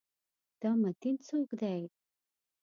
دا متین څوک دی؟